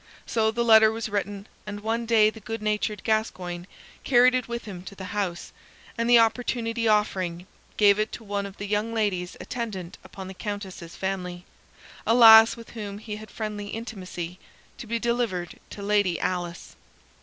So the letter was written and one day the good natured Gascoyne carried it with him to the house, and the opportunity offering, gave it to one of the young ladies attendant upon the Countess's family a lass with whom he had friendly intimacy to be delivered to Lady Alice.